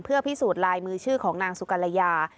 เพื่อพิสูจน์ลายมือชื่อของนางสุกรยา